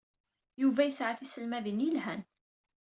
Yuba yesɛa tiselmadin yelhan.